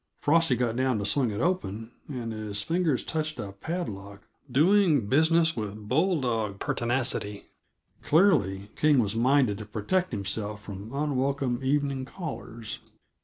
Frosty got down to swing it open, and his fingers touched a padlock doing business with bulldog pertinacity. Clearly, King was minded to protect himself from unwelcome evening callers.